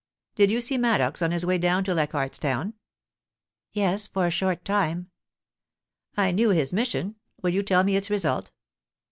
Did you see Maddox on his way down to Leichardt's Town ?'* Yes ; for a short time.' * I knew his mission. Will you tell me its result